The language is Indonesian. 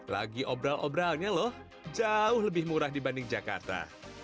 lagi obral obralnya loh jauh lebih murah dibanding jakarta